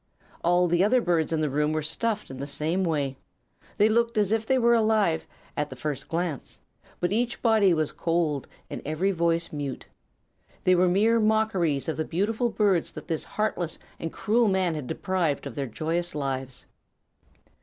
All the other birds in the room were stuffed in the same way. They looked as if they were alive, at the first glance; but each body was cold and every voice mute. They were mere mockeries of the beautiful birds that this heartless and cruel man had deprived of their joyous lives.